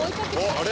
あれ？